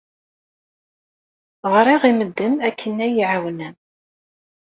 Ɣriɣ i medden akken ad iyi-ɛawnen.